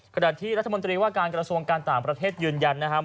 ขณะที่รัฐมนตรีว่าการกระทรวงการต่างประเทศยืนยันนะครับ